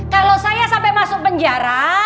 kalau saya sampai masuk penjara